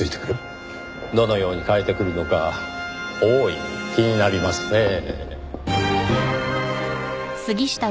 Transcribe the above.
どのように変えてくるのか大いに気になりますねぇ。